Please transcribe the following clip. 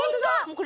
これ。